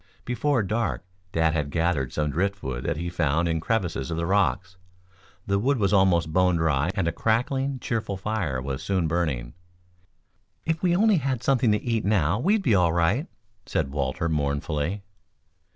Before dark Dad had gathered some driftwood that he found in crevices of the rocks. The wood was almost bone dry and a crackling, cheerful fire was soon burning. "If we only had something to eat now, we'd be all right," said Walter mournfully.